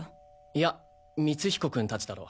いや光彦君たちだろ。